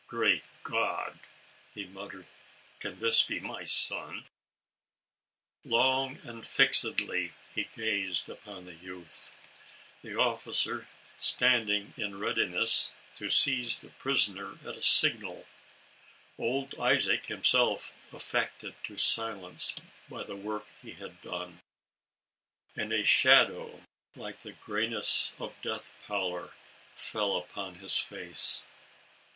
"Great God," he muttered, "can this be my son !" Long and fixedly he gazed upon the youth (the officer standing in readiness to seize the prisoner, at a signal, — old Isaac himself affected to silence by the work which he had done) and a shadow, like the grayness of death pallor, fell upon his face.